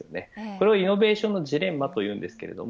これをイノベーションのジレンマといいます。